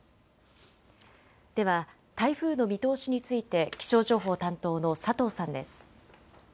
では台風の見通しについて気象情報担当の佐藤さんです。